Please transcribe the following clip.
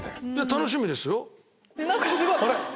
楽しみですよ。